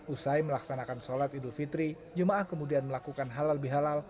usai melaksanakan sholat idul fitri jemaah kemudian melakukan halal bihalal